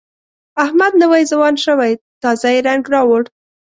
احمد نوی ځوان شوی، تازه یې رنګ راوړ.